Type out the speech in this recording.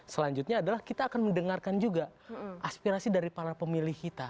selanjutnya adalah kita akan mendengarkan juga aspirasi dari para pemilih kita